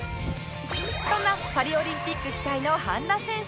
そんなパリオリンピック期待の半田選手